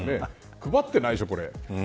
配ってないでしょう、これ。